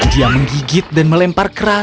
dia menggigit dan melempar kerang